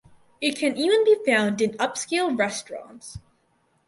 It can even be found in upscale restaurants.